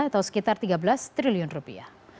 atau sekitar tiga belas triliun rupiah